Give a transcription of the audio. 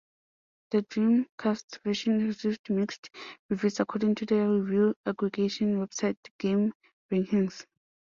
The Dreamcast version received "mixed" reviews according to the review aggregation website GameRankings.